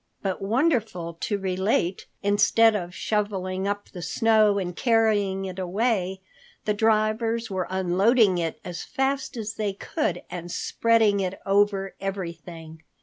But wonderful to relate, instead of shoveling up the snow and carrying it away, the drivers were unloading it as fast as they could and spreading it over everything.